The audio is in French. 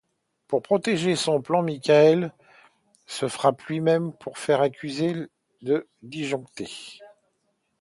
Pour protéger son plan Michael se frappe lui-même pour faire accuser le Disjoncté.